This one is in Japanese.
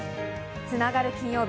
つながる金曜日。